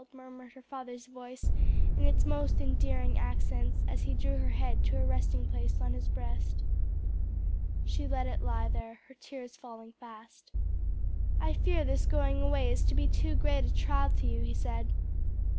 murmured her father's voice in its most endearing accents, as he drew her head to a resting place on his breast. She let it lie there, her tears falling fast. "I fear this going away is to be too great a trial to you," he said.